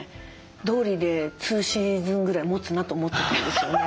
どうりで２シーズンぐらいもつなと思ってたんですよね。